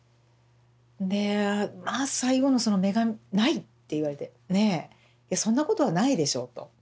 でまあ最後のその「目がない」って言われてねそんなことはないでしょうと。